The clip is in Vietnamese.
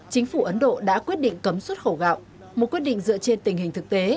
chính phủ ấn độ đã quyết định cấm xuất khẩu gạo một quyết định dựa trên tình hình thực tế